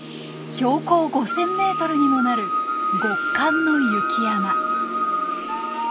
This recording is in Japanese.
標高５，０００メートルにもなる極寒の雪山。